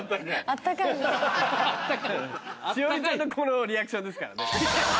栞里ちゃんのこのリアクションですからね。